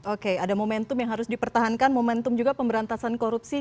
oke ada momentum yang harus dipertahankan momentum juga pemberantasan korupsi